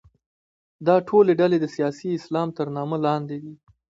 دا ټولې ډلې د سیاسي اسلام تر نامه لاندې دي.